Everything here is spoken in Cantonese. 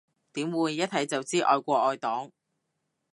點會，一睇就知愛國愛黨